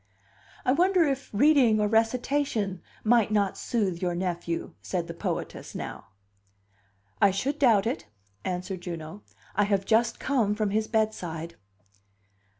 "I wonder if reading or recitation might not soothe your nephew?" said the poetess, now. "I should doubt it," answered Juno. "I have just come from his bedside."